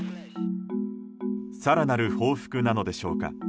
更なる報復なのでしょうか。